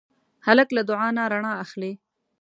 هلک له دعا نه رڼا اخلي.